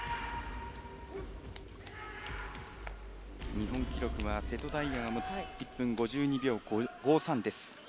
日本記録は瀬戸大也が持つ１分５２秒５３です。